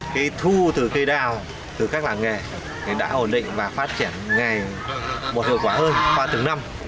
cái thu từ cây đào từ các làng nghề đã ổn định và phát triển ngày một hiệu quả hơn qua từng năm